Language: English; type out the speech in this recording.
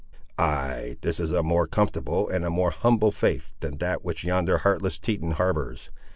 "Ay, this is a more comfortable and a more humble faith than that which yonder heartless Teton harbours.